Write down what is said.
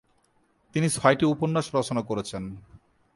তিনি ছয়টি উপন্যাস রচনা করেছেন।